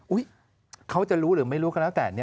เขาจะรู้หรือไม่รู้ก็แล้วแต่